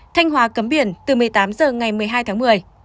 thanh hóa cấm biển từ một mươi tám h ngày một mươi hai tháng một mươi